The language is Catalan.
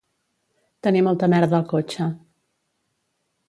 Tenir molta merda al cotxe